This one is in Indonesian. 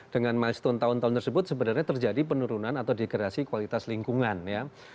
dengan milestone tahun tahun tersebut sebenarnya terjadi penurunan atau degresi kualitas lingkungan ya